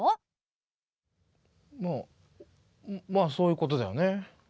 ままあそういうことだよね。